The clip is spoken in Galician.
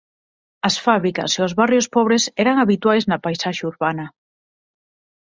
As fábricas e os barrios pobres eran habituais na paisaxe urbana.